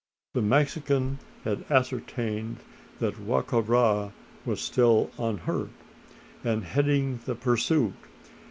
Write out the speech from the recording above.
The Mexican had ascertained that Wa ka ra was still unhurt, and heading the pursuit.